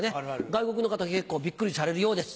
外国の方結構ビックリされるようです。